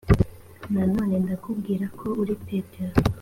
nanone ndakubwira ko uri petero